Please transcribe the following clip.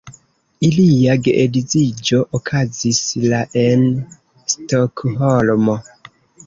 Ilia geedziĝo okazis la en Stokholmo.